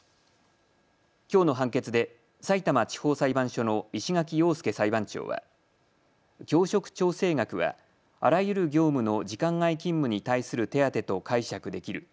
きょうの判決で、さいたま地方裁判所の石垣陽介裁判長は教職調整額はあらゆる業務の時間外勤務に対する手当と解釈できる。